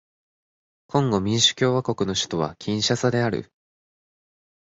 コンゴ民主共和国の首都はキンシャサである